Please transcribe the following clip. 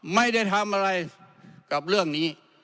ไม่ได้ทำอะไรกับเรื่องนี้